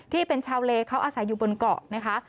ที่เป็นชาวเลเขาอาศัยอยู่บนเกาะนะคะ